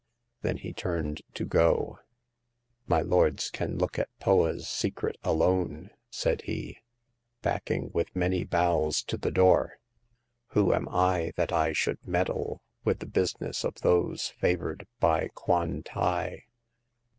Then he turned to go, *' My lords can look at Poa's secret alone," said he, backing with many bows to the door. Who am I that I should meddle with the business of those favored by Kwan tai